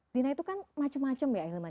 zina itu kan macam macam ya ahilman